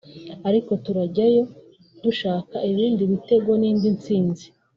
ariko turajyayo dushaka ibindi bitego n’indi ntsinzi